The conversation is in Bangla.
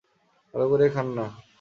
ভাল করিয়া খান না।